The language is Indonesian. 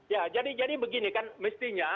ya jadi begini kan mestinya